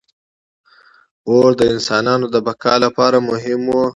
• اور د انسانانو د بقا لپاره مهم و.